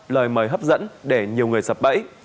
lời mời hấp dẫn để nhiều người sập bẫy